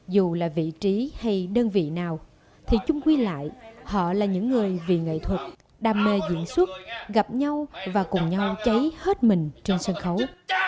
dù là vị trí hay đơn vị nào thì chung quy lại họ là những người vì nghệ thuật đam mê diễn xuất gặp nhau và cùng nhau cháy hết mình trên sân khấu